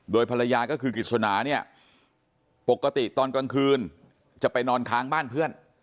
ภรรยาก็คือกฤษณาเนี่ยปกติตอนกลางคืนจะไปนอนค้างบ้านเพื่อน